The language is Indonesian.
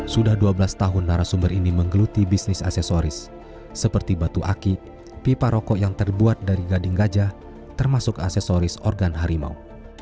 sudah dua belas tahun narasumber ini menggeluti bisnis aksesoris seperti batu aki pipa rokok yang terbuat dari gading gajah termasuk aksesoris organ harimau